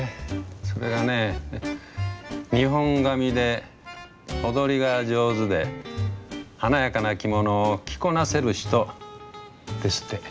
それがね日本髪で踊りが上手で華やかな着物を着こなせる人ですって。